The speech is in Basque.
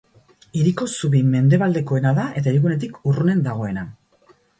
Hiriko zubi mendebaldekoena da eta hirigunetik urrunen dagoena.